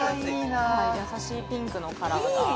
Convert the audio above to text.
はい優しいピンクのカラーがいい！